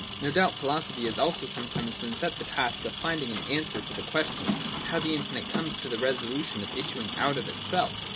No doubt philosophy has also sometimes been set the task of finding an answer to the question, how the infinite comes to the resolution of issuing out of itself.